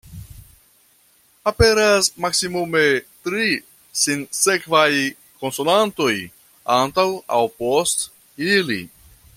Aperas maksimume tri sinsekvaj konsonantoj antaŭ aŭ post ili.